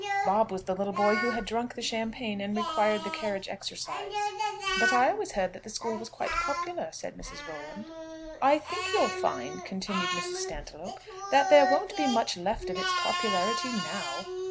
Bob was the little boy who had drank the champagne and required the carriage exercise. "But I always heard that the school was quite popular," said Mrs. Rolland. "I think you'll find," continued Mrs. Stantiloup, "that there won't be much left of its popularity now.